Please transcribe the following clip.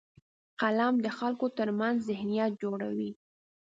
قلم د خلکو ترمنځ ذهنیت جوړوي